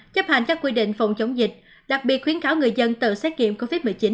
chấp hành các quy định phòng chống dịch đặc biệt khuyến cáo người dân tự xét nghiệm covid một mươi chín